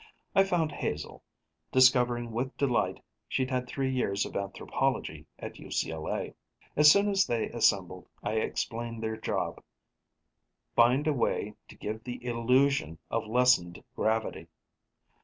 I found Hazel, discovering with delight she'd had three years of anthropology at UCLA. As soon as they assembled, I explained their job: find a way to give the illusion of lessened gravity.